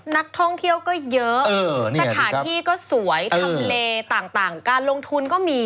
นักท่องเที่ยวก็เยอะสถานที่ก็สวยทำเลต่างการลงทุนก็มี